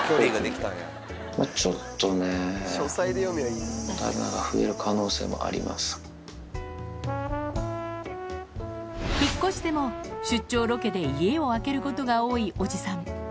ちょっとね、引っ越しても、出張ロケで家を空けることが多いおじさん。